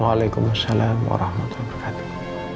waalaikumsalam warahmatullahi wabarakatuh